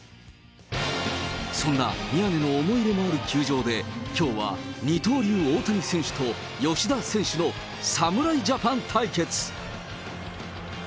そんな宮根の思い入れのある球場で、きょうは二刀流大谷選手と、吉田選手の侍ジャパン対決。